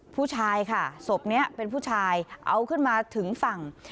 ผู้ชายค่ะศพนี้เป็นผู้ชายเอาขึ้นมาถึงฝั่ง